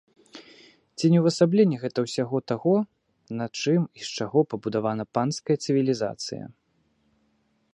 Ці не ўвасабленне гэта ўсяго таго, на чым і з чаго пабудавана панская цывілізацыя!